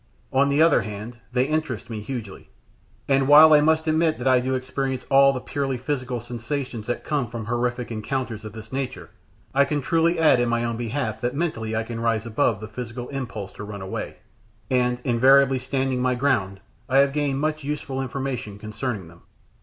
On the other hand, they interest me hugely; and while I must admit that I do experience all the purely physical sensations that come from horrific encounters of this nature, I can truly add in my own behalf that mentally I can rise above the physical impulse to run away, and, invariably standing my ground, I have gained much useful information concerning them.